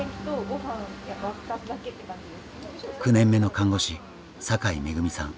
９年目の看護師阪井惠さん。